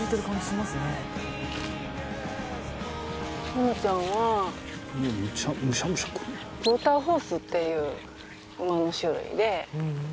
ヨモちゃんはクォーターホースっていう馬の種類で。